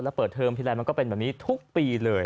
แล้วเปิดเทอมทีไรมันก็เป็นแบบนี้ทุกปีเลย